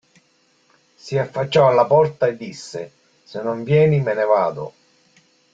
Si affacciò alla porta e disse: – Se non vieni me ne vado.